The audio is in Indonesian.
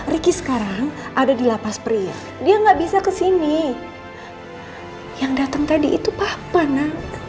riki sekarang ada di lapas pria dia nggak bisa kesini yang datang tadi itu papa nak